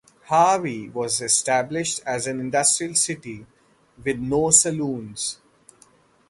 Harvey was established as an industrial city with no saloons.